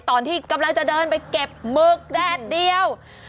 ตอนที่กำลังจะเดินไปเก็บหมึกแดดเดียว